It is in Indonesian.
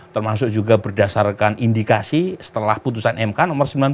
termasuk juga berdasarkan indikasi setelah putusan mk nomor sembilan belas